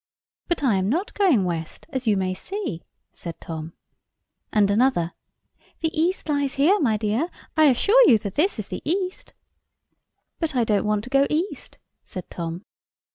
"But I am not going west, as you may see," said Tom. And another, "The east lies here, my dear; I assure you this is the east." "But I don't want to go east," said Tom.